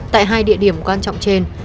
tại hai địa điểm quan trọng trên